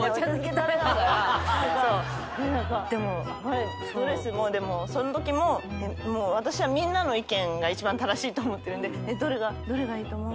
で何かすごいドレスもでもそのときも私はみんなの意見が一番正しいと思ってるんでどれがいいと思う？